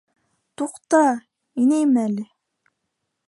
Туҡта, инәйем әле...